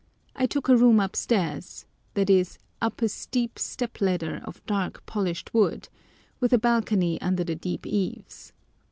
I took a room upstairs (i.e. up a steep step ladder of dark, polished wood), with a balcony under the deep eaves.